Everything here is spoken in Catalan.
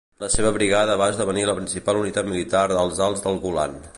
La seva brigada va esdevenir la principal unitat militar als Alts del Golan.